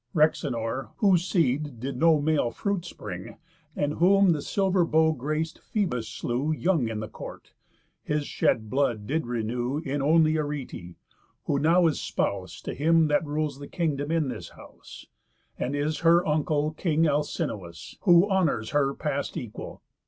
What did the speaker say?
Rhexenor (whose seed did no male fruit spring, And whom the silver bow grac'd Phœbus slew Young in the court) his shed blood did renew In only Arete, who now is spouse To him that rules the kingdom in this house, And is her uncle king Alcinous, Who honours her past equal.